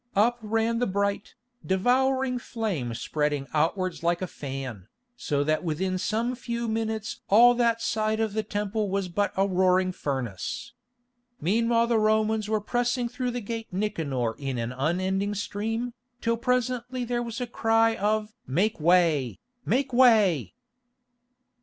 Up ran the bright, devouring flame spreading outwards like a fan, so that within some few minutes all that side of the Temple was but a roaring furnace. Meanwhile the Romans were pressing through the Gate Nicanor in an unending stream, till presently there was a cry of "Make way! Make way!"